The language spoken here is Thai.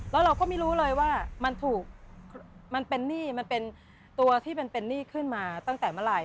แล้วเราก็ไม่รู้เลยว่ามันถูกมันเป็นหนี้มันเป็นตัวที่มันเป็นหนี้ขึ้นมาตั้งแต่เมื่อไหร่